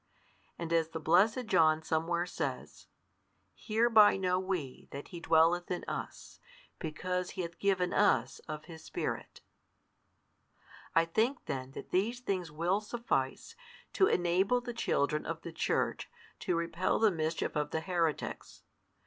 And as the blessed John somewhere says, Hereby know we that He dwelleth in us, because He hath given us of His Spirit. I think then that these things will suffice, to enable the children of the Church to repel the mischief of the heretics.